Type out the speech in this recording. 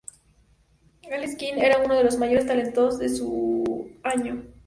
Alex King era uno de los mayores talentos de su año.